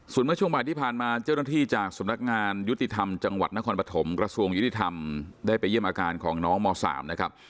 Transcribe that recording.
ส่วนเมื่อช่วงบ่ายที่ผ่านมาเจ้าหน้าที่จากสำนักงานยุติธรรมจังหวัดนครปฐมกระทรวงยุติธรรมได้ไปเยี่ยมอาการของน้องม๓นะครับ